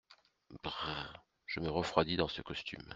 Brrr !… je me refroidis dans ce costume…